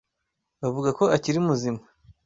Bavuga ko akiri muzima.